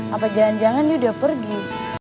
apa jangan jangan dia udah pergi